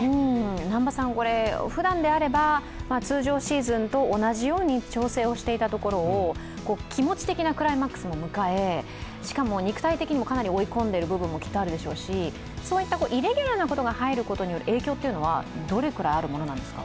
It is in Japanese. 南波さん、ふだんであれば通常シーズンと同じように調整をしていたところを、気持ち的なクライマックスも迎えしかも、肉体的にもかなり追い込んでいる部分もきっとあるでしょうし、そういったイレギュラーが入ることによる影響ってどのくらいあるものですか？